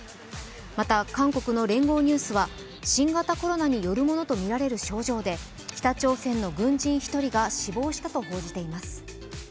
また韓国の聯合ニュースは新型コロナによるものと見られる症状で北朝鮮の軍人１人が死亡したと報じています。